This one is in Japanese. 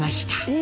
え。